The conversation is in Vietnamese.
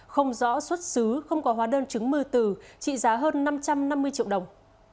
không rõ xuất xứ không có hóa đơn chứng mưa tử trị giá hơn năm trăm năm mươi triệu đồng